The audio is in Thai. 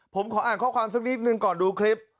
ผมขออ่านข้อความสักนิดหนึ่งก่อนดูคลิป